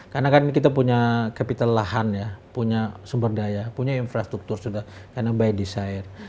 karena kan kita punya kapital lahan ya punya sumber daya punya infrastruktur sudah karena by desire